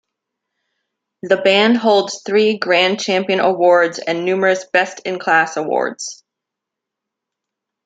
The band holds three Grand Championship awards and numerous best-in-class awards.